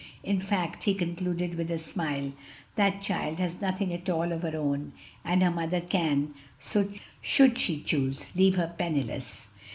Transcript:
In fact," he concluded with a smile, "the child has nothing at all of her own, and her mother can, should she choose, leave her penniless."